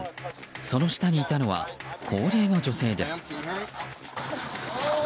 その下にいたのは高齢の女性です。